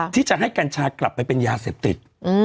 ที่จะให้กัญชากลับไปเป็นยาเสพติด